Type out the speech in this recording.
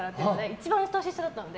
一番年下だったので。